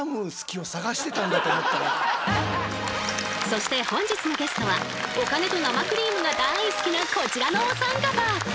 そして本日のゲストはお金と生クリームがだい好きなこちらのお三方。